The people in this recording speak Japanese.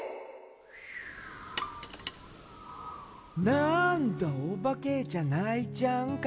「なあんだ、おばけじゃないじゃんか」